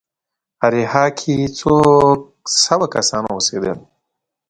اریحا کې څو سوه کسان اوسېدل.